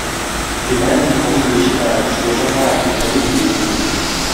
И поэтому Колумбия считает, что уже пора переходить к действиям.